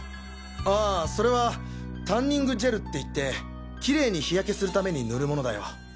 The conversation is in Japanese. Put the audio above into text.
ああそれはタンニングジェルっていってきれいに日焼けするために塗るものだよ。